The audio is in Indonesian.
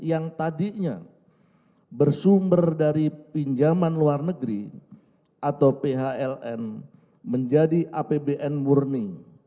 yang tadinya bersumber dari pinjaman luar negeri atau phln menjadi apbn murni